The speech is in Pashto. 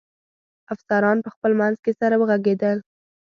افسران په خپل منځ کې سره و غږېدل.